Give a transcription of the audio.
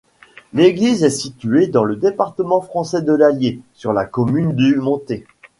L'église est située dans le département français de l'Allier, sur la commune du Montet.